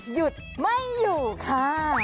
หยุดไม่อยู่ค่ะ